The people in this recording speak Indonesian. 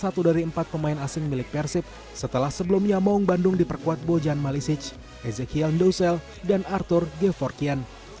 satu dari empat pemain asing milik persib setelah sebelumnya maung bandung diperkuat bojan malisic ezekiel dosel dan arthur g forkian